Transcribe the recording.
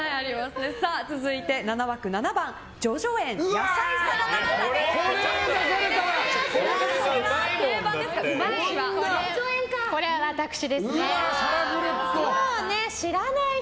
続いて７枠７番、叙々苑野菜サラダのたれごま風味です。